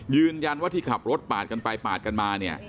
ยืนยันว่าที่ขับรถปาดกันไปปาดกันมาเนี่ย